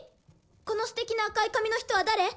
このステキな赤い髪の人は誰？